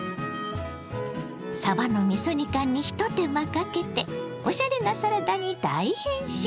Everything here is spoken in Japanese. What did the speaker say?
さばのみそ煮缶にひと手間かけておしゃれなサラダに大変身！